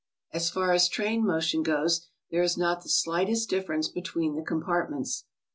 As far as train motion goes, there is not the slightest difference between the compartments.